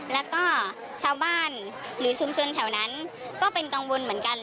แล้วก็ชาวบ้านหรือชุมชนแถวนั้นก็เป็นกังวลเหมือนกัน